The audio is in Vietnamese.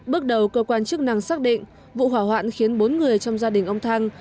bước đầu cơ quan chức năng xác định vụ hỏa hoạn khiến bốn người trong gia đình ông thăng